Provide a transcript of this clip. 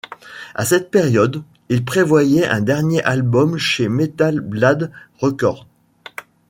À cette période, ils prévoyaient un dernier album chez Metal Blade Records.